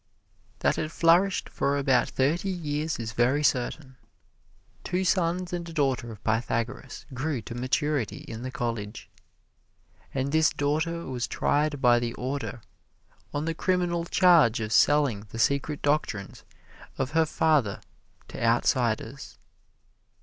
That it flourished for about thirty years is very certain. Two sons and a daughter of Pythagoras grew to maturity in the college, and this daughter was tried by the Order on the criminal charge of selling the secret doctrines of her father to outsiders.